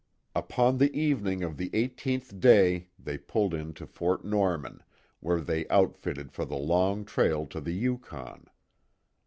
Upon the evening of the eighteenth day they pulled in to Fort Norman, where they outfitted for the long trail to the Yukon.